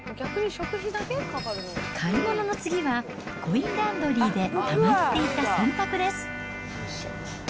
買い物の次は、コインランドリーでたまっていた洗濯です。